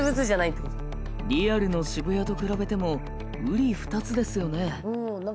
リアルの渋谷と比べてもうり二つですよね。